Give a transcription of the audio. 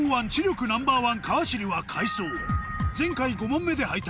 ＪＯ１前回５問目で敗退